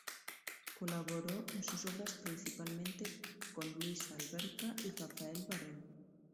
Colaboró en sus obras principalmente con Luisa Alberca y Rafael Barón.